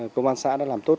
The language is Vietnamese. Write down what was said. công an xã đã làm tốt